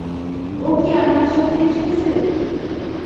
ও কি আপনার সাথে এসেছে?